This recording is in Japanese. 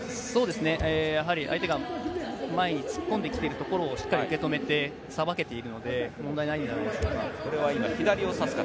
相手が前に突っ込んできてるところをしっかり受け止めて、さばけているので問題ないんじゃないでしょうか。